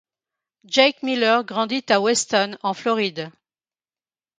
Jake Miller grandi à Weston, en Floride.